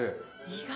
意外。